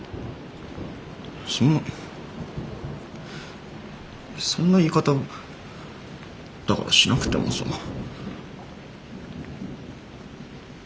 そんなそんな言い方をだからしなくてもさあ。